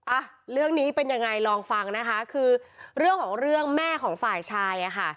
อ่ะเรื่องนี้เป็นยังไงลองฟังนะคะคือเรื่องของเรื่องแม่ของฝ่ายชายอ่ะค่ะ